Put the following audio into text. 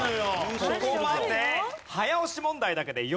ここまで。